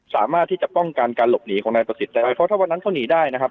สามารถที่จะป้องกันการหลบหนีของนายประสิทธิ์ได้เพราะถ้าวันนั้นเขาหนีได้นะครับ